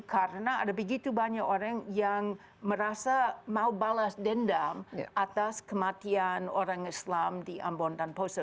karena ada begitu banyak orang yang merasa mau balas dendam atas kematian orang islam di ambon dan poso